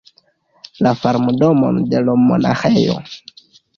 La farmdomon de l' monaĥejo.